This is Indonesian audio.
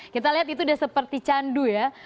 kita lihat itu sudah seperti candu ya